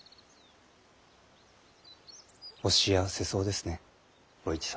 お幸せそうですねお市様。